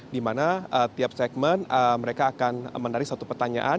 dimana tiap segmen mereka akan menarik satu pertanyaan